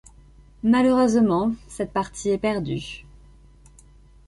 Malheureusement, cette partie est perdue.